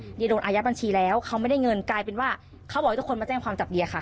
เดียโดนอายัดบัญชีแล้วเขาไม่ได้เงินกลายเป็นว่าเขาบอกให้ทุกคนมาแจ้งความจับเดียค่ะ